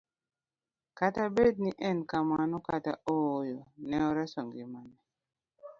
Kata bed ni ne en kamano kata ooyo, ne oreso ngimane